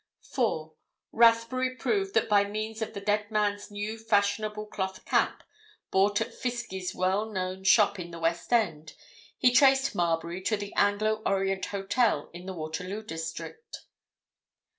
4. Rathbury proved that by means of the dead man's new fashionable cloth cap, bought at Fiskie's well known shop in the West End, he traced Marbury to the Anglo Orient Hotel in the Waterloo District.